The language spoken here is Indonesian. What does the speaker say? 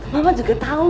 mama juga tau